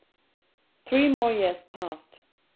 Three more years passed.